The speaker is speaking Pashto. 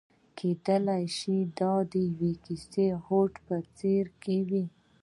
کېدای شي دا د يوه هوډ په څېره کې وي.